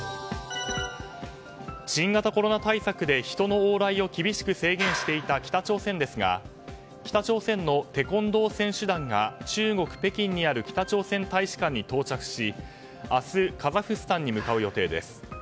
新型コロナ対策で人の往来を厳しく制限していた北朝鮮ですが北朝鮮のテコンドー選手団が中国・北京にある北朝鮮大使館に到着し明日、カザフスタンに向かう予定です。